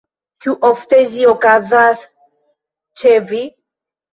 Ĉu ofte ĝi okazas ĉe vi?